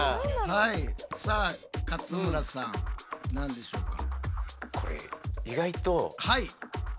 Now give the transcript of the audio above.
はいさあ勝村さん何でしょうか？